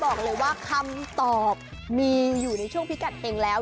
บอกเลยว่าคำตอบมีอยู่ในช่วงพิกัดเฮงแล้ว